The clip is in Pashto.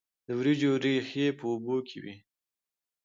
د وریجو ریښې په اوبو کې وي.